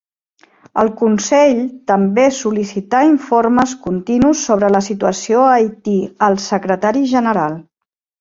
El Consell també sol·licitar informes continus sobre la situació a Haití al Secretari General.